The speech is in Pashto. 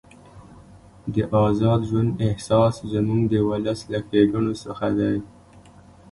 د ازاد ژوند احساس زموږ د ولس له ښېګڼو څخه دی.